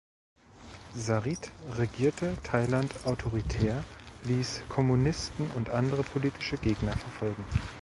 Sarit regierte Thailand autoritär, ließ Kommunisten und andere politische Gegner verfolgen.